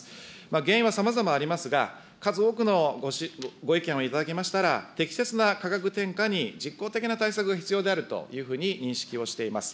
原因はさまざまありますが、数多くのご意見を頂きましたら、適切な価格転嫁に実効的な対策が必要であるというふうに認識をしています。